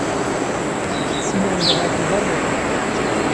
Tessemɛen-d ɣef berru.